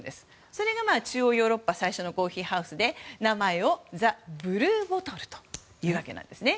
それが中央ヨーロッパ最初のコーヒーハウスで名前をＴｈｅＢｌｕｅＢｏｔｔｌｅというわけなんですね。